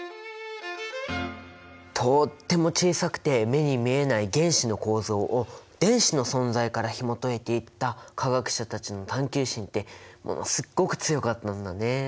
とっても小さくて目に見えない原子の構造を電子の存在からひもといていった科学者たちの探究心ってものすっごく強かったんだね。